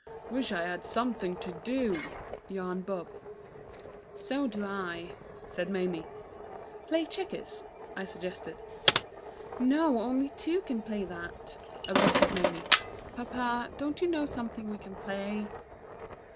"Wish I had something to do," yawned Bob. "So do I," said Mamie. "Play checkers," I suggested. "No; only two can play that," objected Mamie. "Papa, don't you know something we can play?"